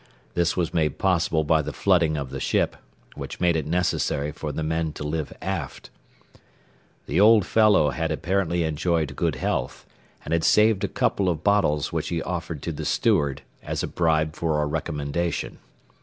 This was made possible by the flooding of the ship, which made it necessary for the men to live aft. The old fellow had apparently enjoyed good health, and had saved a couple of bottles which he offered to the steward as a bribe for a recommendation.